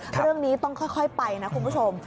เรื่องนี้ต้องค่อยไปนะคุณผู้ชม